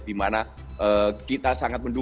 dimana kita sangat menarik